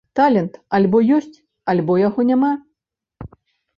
Талент альбо ёсць, альбо яго няма.